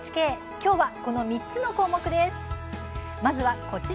きょうは、この３つの項目です。